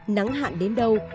nắng hạn đến đâu